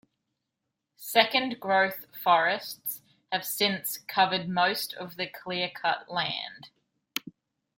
Second growth forests have since covered most of the clear-cut land.